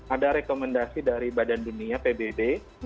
ada rekomendasi dari badan dunia pbb